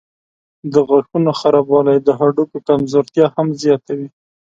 د غاښونو خرابوالی د هډوکو کمزورتیا هم زیاتوي.